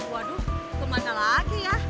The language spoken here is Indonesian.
waduh kemana lagi ya